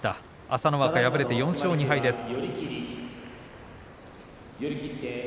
朝乃若、敗れて４勝２敗です。